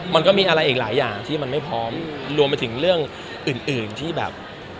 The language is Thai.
มันก็มีอะไรอีกหลายอย่างที่มันไม่พร้อมรวมไปถึงเรื่องอื่นอื่นที่แบบ